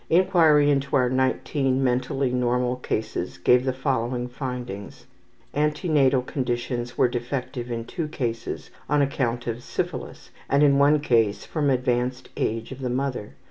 Inquiry into our 19 mentally normal cases gave the following findings: Antenatal conditions were defective in 2 cases on account of syphilis and in one case from advanced age of the mother.